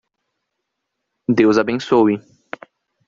Deus abençoe